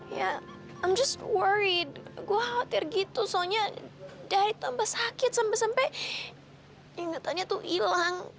ya i'm just worried gue khawatir gitu soalnya dari tempat sakit sampai sampai ingetannya tuh hilang